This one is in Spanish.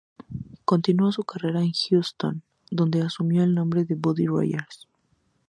Continuó su carrera en Houston, donde asumió el nombre de "Buddy Rogers".